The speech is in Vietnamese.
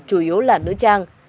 chủ yếu là nữ trang